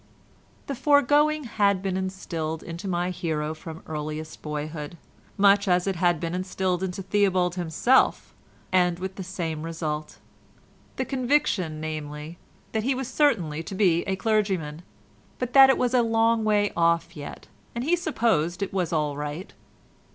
The foregoing had been instilled into my hero from earliest boyhood, much as it had been instilled into Theobald himself, and with the same result—the conviction, namely, that he was certainly to be a clergyman, but that it was a long way off yet, and he supposed it was all right.